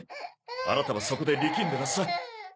あなたはそこで力んでなさい。